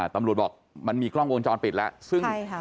ตำรวจบอกมันมีกล้องวงจรปิดแล้ว